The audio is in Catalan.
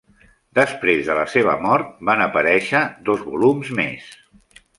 Després de la seva mort van aparèixer dos volum més.